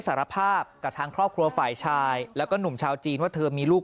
สารภาพกับทางครอบครัวฝ่ายชายแล้วก็หนุ่มชาวจีนว่าเธอมีลูก